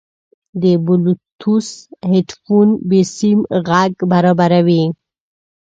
د بلوتوث هیډفون بېسیم غږ برابروي.